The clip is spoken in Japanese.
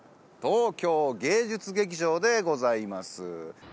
東京芸術劇場でございます